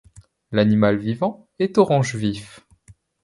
L'animal vivant est orange vif.